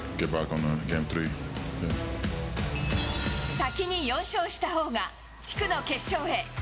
先に４勝したほうが地区の決勝へ。